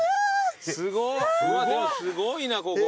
でもすごいなここ。